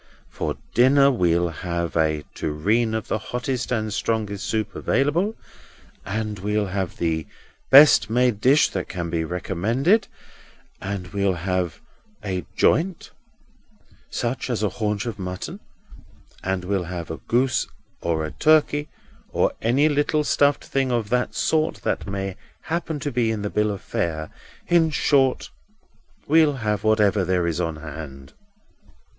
For dinner we'll have a tureen of the hottest and strongest soup available, and we'll have the best made dish that can be recommended, and we'll have a joint (such as a haunch of mutton), and we'll have a goose, or a turkey, or any little stuffed thing of that sort that may happen to be in the bill of fare—in short, we'll have whatever there is on hand."